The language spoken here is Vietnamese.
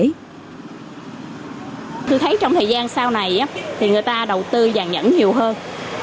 tôi thấy trong thời gian sau này thì người ta đầu tư vàng nhẫn nhiều hơn